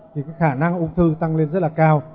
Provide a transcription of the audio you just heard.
thì cái khả năng ung thư tăng lên rất là cao